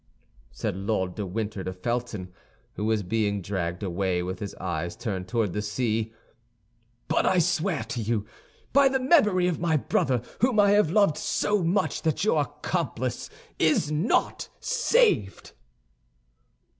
said Lord de Winter to Felton, who was being dragged away with his eyes turned toward the sea; "but I swear to you by the memory of my brother whom I have loved so much that your accomplice is not saved."